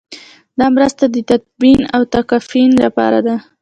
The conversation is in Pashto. دا مرسته د تدفین او تکفین لپاره ده.